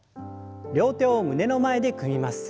両手を胸の前で組みます。